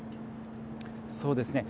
そうですね。